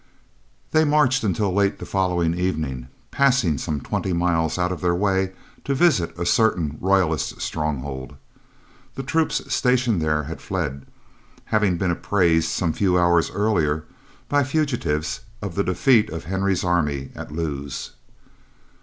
They marched until late the following evening, passing some twenty miles out of their way to visit a certain royalist stronghold. The troops stationed there had fled, having been apprised some few hours earlier, by fugitives, of the defeat of Henry's army at Lewes.